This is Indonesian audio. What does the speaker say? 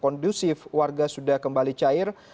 kondusif warga sudah kembali cair